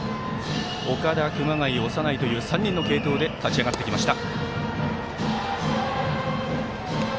岡田、熊谷、長内という３人の継投で勝ちあがってきました。